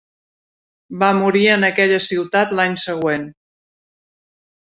Va morir en aquella ciutat l'any següent.